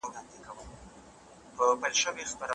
تر ازمویني مخکي يې ادبي تاریخ لوستی و.